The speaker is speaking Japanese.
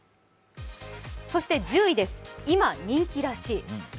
そして１０位です、今人気らしい。